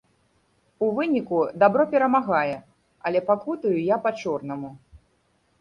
У выніку дабро перамагае, але пакутую я па-чорнаму.